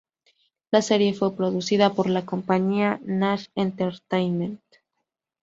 La serie fue producida por la compañía Nash Entertainment.